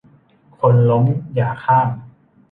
คนล้มอย่าข้าม